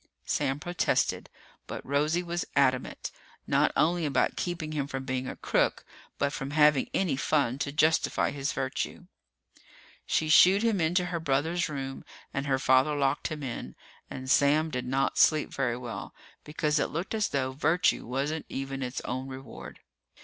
Sam protested, but Rosie was adamant not only about keeping him from being a crook, but from having any fun to justify his virtue. She shooed him into her brother's room and her father locked him in. And Sam did not sleep very well, because it looked as though virtue wasn't even its own reward.